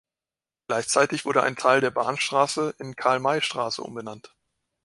Gleichzeitig wurde ein Teil der Bahnstraße in Karl-May-Straße umbenannt.